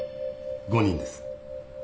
５人です。